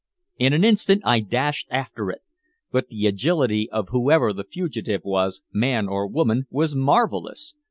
In an instant I dashed after it. But the agility of whoever the fugitive was, man or woman, was marvelous.